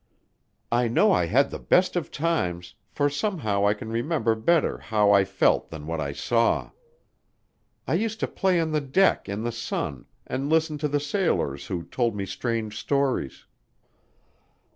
I know I had the best of times for somehow I can remember better how I felt than what I saw. I used to play on the deck in the sun and listen to the sailors who told me strange stories.